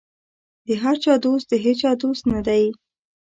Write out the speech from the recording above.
د هر چا دوست د هېچا دوست نه دی.